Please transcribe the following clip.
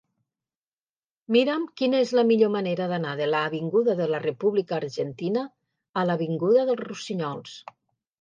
Mira'm quina és la millor manera d'anar de l'avinguda de la República Argentina a l'avinguda dels Rossinyols.